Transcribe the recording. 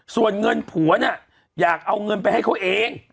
ส่วนเงินผัวเนี่ยอยากเอาเงินไปให้เขาเอง